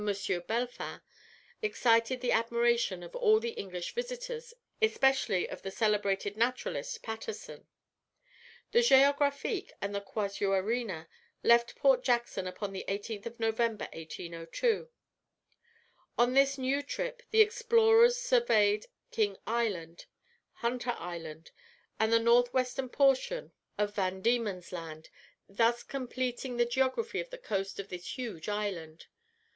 Bellefin, excited the admiration of all the English visitors, especially of the celebrated naturalist, Paterson. The Géographe and the Casuarina left Port Jackson upon the 18th of November, 1802. On this new trip the explorers surveyed King Island, Hunter Island, and the north western portion of Van Diemen's Land, thus completing the geography of the coast of this huge island.